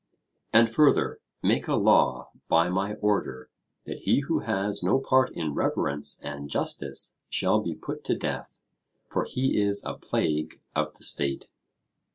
And further, make a law by my order, that he who has no part in reverence and justice shall be put to death, for he is a plague of the state.'